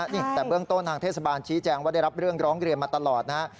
นี่แต่เบื้องต้นทางเทศบาลชี้แจงว่าได้รับเรื่องร้องเรียนมาตลอดนะฮะ